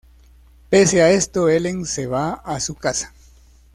Pese a esto, Ellen se va a su casa.